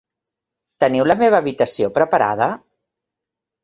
Teniu la meva habitació preparada?